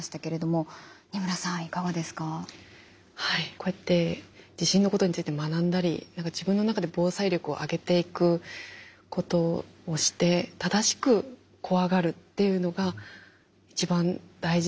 こうやって地震のことについて学んだり自分の中で防災力を上げていくことをして正しく怖がるっていうのが一番大事なのかな。